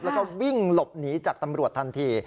แล้วก็วิ่งหลบหนีจากตำรวจทันที